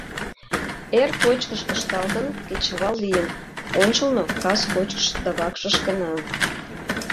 Эр кочкыш ышталтын, кечывал лийын, ончылно — кас кочкыш да вакшыш гына.